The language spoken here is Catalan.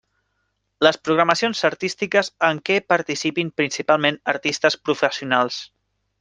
Les programacions artístiques en què participin principalment artistes professionals.